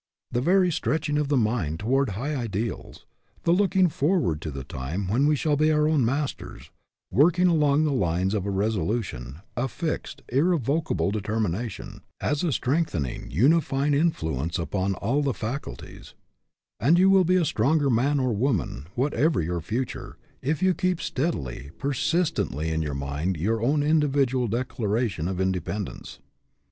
The very stretching of the mind toward high ideals, the looking forward to the time when we shall be our own masters, working along the lines of a resolution, a fixed, irrevocable determination, has a strengthening, unifying influence upon all of the faculties, and you will be a stronger man or woman, whatever your future, if you keep steadily, persistently in mind your own individual declaration of independence.